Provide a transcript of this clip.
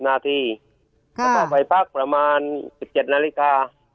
แล้วก็ไปสักประมาณ๑๗นาฬิกา